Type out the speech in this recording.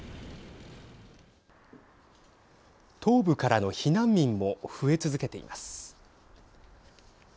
東部からの避難民も増え続けています。